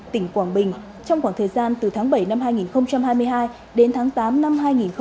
tỉnh quảng bình trong khoảng thời gian từ tháng bảy năm hai nghìn hai mươi hai đến tháng tám năm hai nghìn hai mươi ba